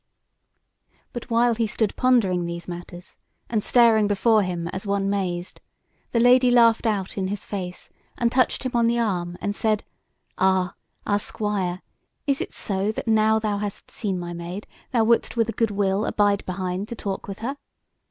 But while he stood pondering these matters, and staring before him as one mazed, the Lady laughed out in his face, and touched him on the arm and said: "Ah, our Squire, is it so that now thou hast seen my Maid thou wouldst with a good will abide behind to talk with her?